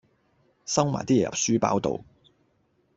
收埋啲嘢入書包度